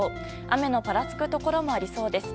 雨のぱらつくところもありそうです。